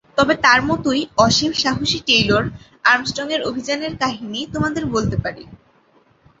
তবে তার মতোই অসীম সাহসী টেইলর আর্মস্ট্রংয়ের অভিযানের কাহিনি তোমাদের বলতে পারি।